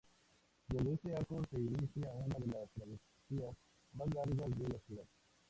Desde este arco se inicia una de las travesías más largas de la ciudad.